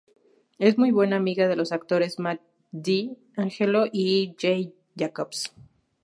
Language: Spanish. Es muy buena amiga de los actores Matt Di Angelo y Jay Jacobs.